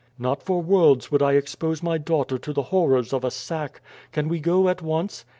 Not for worlds would I expose my daughter to the horrors of a sack. Can we go at once?"